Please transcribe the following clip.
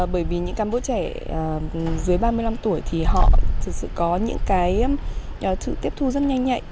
bởi vì những cán bộ trẻ dưới ba mươi năm tuổi thì họ thực sự có những cái sự tiếp thu rất nhanh nhạy